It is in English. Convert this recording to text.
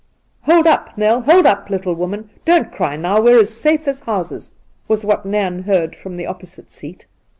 ' Hold up, Nell ! hold up, little woman ! Don't cry now, we're as safe as houses !' was what Nairn heard from the opposite seat.